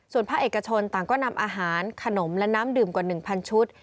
ส่วนภาคเอกชนต่างก็นำอาหารขนมและน้ำดื่มกว่า๑๐๐ชุด